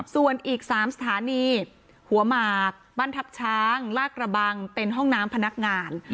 ส่วนอีก๓สถานีหัวหมากบ้านทัพช้างลากระบังเป็นห้องน้ำพนักงาน